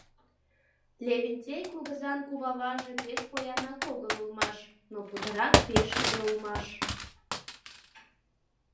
Левентей кугызан куваваже пеш поянак огыл улмаш, но путырак пешкыде улмаш.